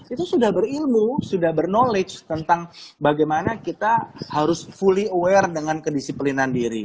itu sudah berilmu sudah berknowledge tentang bagaimana kita harus fully aware dengan kedisiplinan diri